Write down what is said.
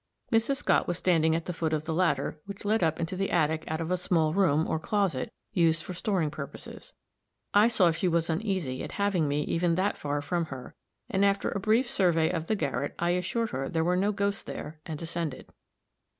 Mrs. Scott was standing at the foot of the ladder, which led up into the attic out of a small room, or closet, used for storing purposes. I saw she was uneasy at having me even that far from her, and after a brief survey of the garret, I assured her there were no ghosts there, and descended.